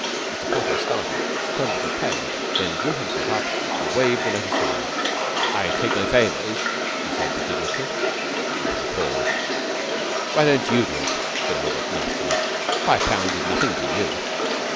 Mr. Potter started, turned a little pale, then drew himself up and waved the note aside. "I take no favors," he said with dignity. There was a pause. "Why don't you do it." said Albert, nastily. "Five pounds is nothing to you."